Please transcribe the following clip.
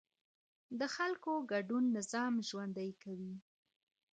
د خلکو ګډون نظام ژوندی کوي